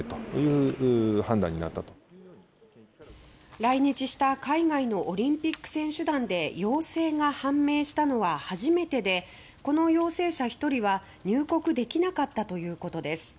来日した海外のオリンピック選手団で陽性が判明したのは初めてでこの陽性者１人は入国できなかったということです。